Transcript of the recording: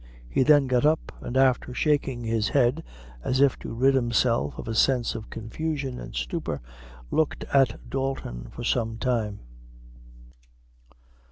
He then got up, and after shaking his head, as if to rid himself of a sense of confusion and stupor, looked at Dalton for some time.